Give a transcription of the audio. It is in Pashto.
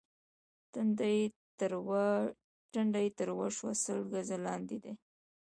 ټنډه يې تروه شوه: سل ګزه لاندې دي.